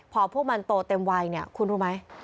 พอพวกมันโตเต็มวัยเนี่ยคุณรู้ไหม